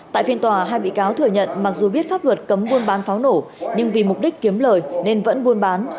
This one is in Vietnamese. tại phiên tòa hai bị cáo thừa nhận mặc dù biết pháp luật cấm buôn bán pháo nổ nhưng vì mục đích kiếm lời nên vẫn buôn bán